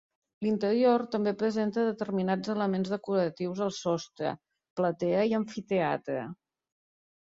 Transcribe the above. L'interior també presenta determinats elements decoratius al sostre, platea i amfiteatre.